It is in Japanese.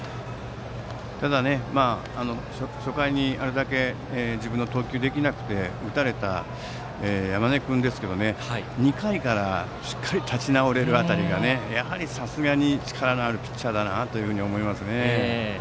ただ、初回にあれだけ自分の投球ができなくて打たれた山根君ですけど、２回からしっかり立ち直れる辺りがやはり、さすがに力のあるピッチャーだと思います。